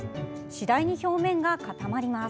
次第に表面が固まります。